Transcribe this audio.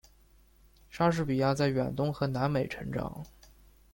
莎士比亚在远东和南美成长。